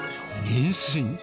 妊娠？